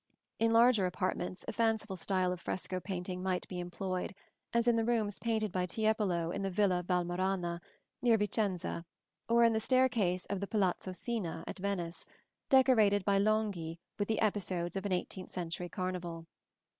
In larger apartments a fanciful style of fresco painting might be employed, as in the rooms painted by Tiepolo in the Villa Valmarana, near Vicenza, or in the staircase of the Palazzo Sina, at Venice, decorated by Longhi with the episodes of an eighteenth century carnival.